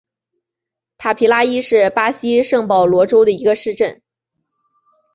塔皮拉伊是巴西圣保罗州的一个市镇。